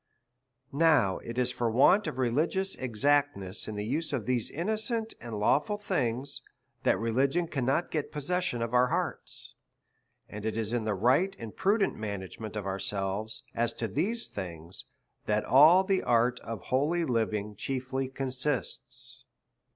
Now it is for want of relii^ious exactness in the use of these innocent and lawful thing s, that religion can not get possession of our hearts ; and it is in the right and prudent management of ourselves as to these things, that all tlie art of holy hving chiefly consists.